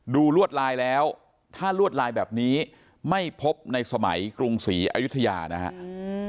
ลวดลายแล้วถ้าลวดลายแบบนี้ไม่พบในสมัยกรุงศรีอายุทยานะครับ